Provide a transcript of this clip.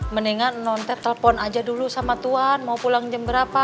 mendingan nontet telpon aja dulu sama tuhan mau pulang jam berapa